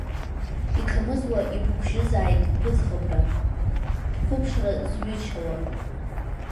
Иқамызуа ибықәжьызааит, быӡӷабра, бқәыԥшра зҩычауа!